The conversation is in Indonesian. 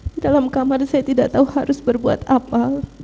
di dalam kamar saya tidak tahu harus berbuat apa